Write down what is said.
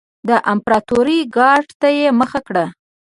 د امپراتورۍ ګارډ ته یې مخه کړه